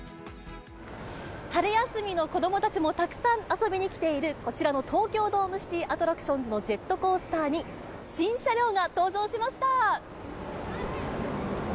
春休みの子どもたちもたくさん遊びに来ているこちらの東京ドームシティアトラクションズのジェットコースターに、新車両が登場しました。